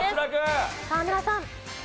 沢村さん。